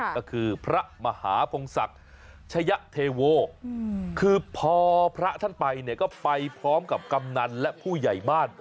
ก็คือพระมหาพงศักดิ์ชะยะเทโวคือพอพระท่านไปเนี่ยก็ไปพร้อมกับกำนันและผู้ใหญ่บ้าน